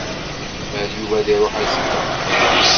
Yezmer Yuba ad iṛuḥ azekka.